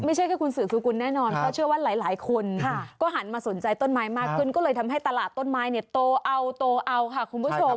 ไม่ใช่แค่คุณสืบสกุลแน่นอนเพราะเชื่อว่าหลายคนก็หันมาสนใจต้นไม้มากขึ้นก็เลยทำให้ตลาดต้นไม้เนี่ยโตเอาโตเอาค่ะคุณผู้ชม